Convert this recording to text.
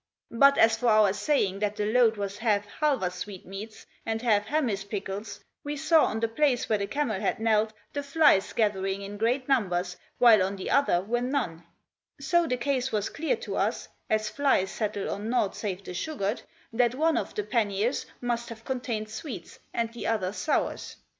But as for our saying that the load was half Halwa sweet meats and half Hamiz pickles, we saw on the place where the camel had knelt the flies gathering in great numbers while on the other were none; so the case was clear to us (as flies settle on naught save the sugared) that one of the panniers must have contained sweets and the other sours."